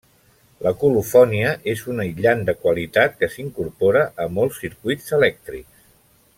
La colofònia és un aïllant de qualitat que s'incorpora a molts circuits elèctrics.